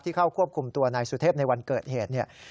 เข้าควบคุมตัวนายสุเทพในวันเกิดเหตุเนี่ย